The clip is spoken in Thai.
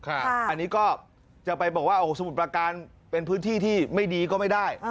อันนี้ก็จะไปบอกว่าโอ้โหสมุทรประการเป็นพื้นที่ที่ไม่ดีก็ไม่ได้